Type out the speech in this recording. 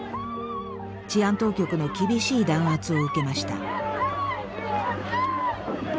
治安当局の厳しい弾圧を受けました。